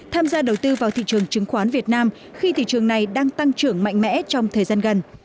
tham gia đầu tư vào thị trường chứng khoán việt nam khi thị trường này đang tăng trưởng mạnh mẽ trong thời gian gần